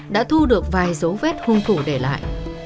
đã thu được vài dấu vết hung thủ để lại